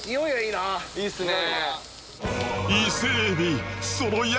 いいっすね。